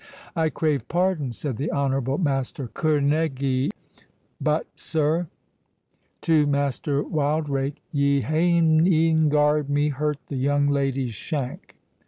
"I crave pardon," said the honourable Master Kerneguy; "but, sir," to Master Wildrake, "ye hae e'en garr'd me hurt the young lady's shank."